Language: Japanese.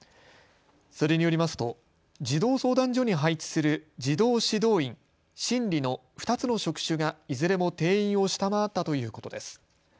それによりますと児童相談所に配置する児童指導員、心理の２つの職種がいずれも定員を下回ったということです。